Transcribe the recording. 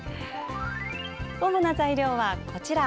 主な材料は、こちら。